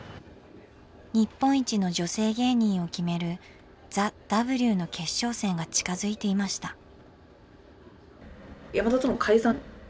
日本一の女性芸人を決める「ＴＨＥＷ」の決勝戦が近づいていました。